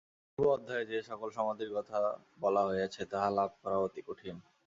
পূর্ব অধ্যায়ে যে-সকল সমাধির কথা বলা হইয়াছে, তাহা লাভ করা অতি কঠিন।